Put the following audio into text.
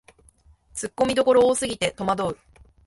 ツッコミどころ多すぎてとまどう